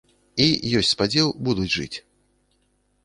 І ёсць спадзеў, будуць жыць.